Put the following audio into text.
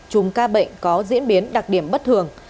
chùm ca bệnh có diễn biến đặc điểm bất thường